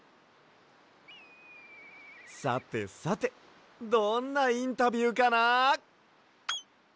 さてさてどんなインタビューかな？